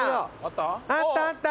あったあった！